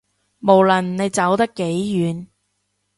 無論你走得幾遠